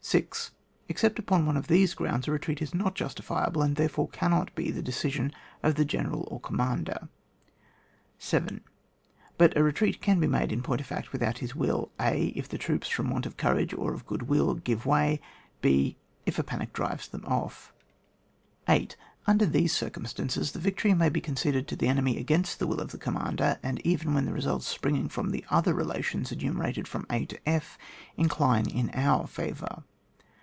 6. Except upon one of these grounds a retreat is not justifiable, and, therefore, cannot be the decision of the general or commander. 7. But a retreat can be made in point of fact without his wiU. a. If the troops, from want of courage or of good wiU, g^ve way. ft. If a panic drives them off. 8. Under these circumstances, the victory may be conceded to the enemy against the wiU of the commander, and even when the results spring^g from the other relations enumerated from a to / incline in our favour.